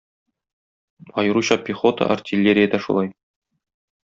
Аеруча пехота, артиллериядә шулай.